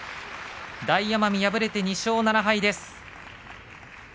大奄美は敗れて２勝７敗です。